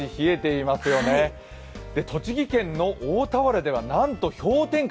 栃木県の大田原ではなんと氷点下